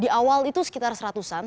di awal itu sekitar seratusan